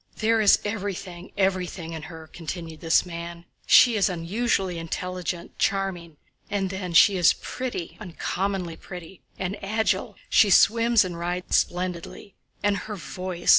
"There is everything, everything in her," continued this man. "She is unusually intelligent, charming... and then she is pretty, uncommonly pretty, and agile—she swims and rides splendidly... and her voice!